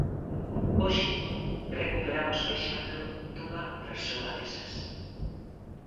Hoxe recuperamos o exemplo dunha persoa desas.